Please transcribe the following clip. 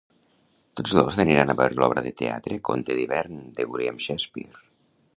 Tots dos aniran a veure l'obra de teatre Conte d'hivern de William Shakespeare.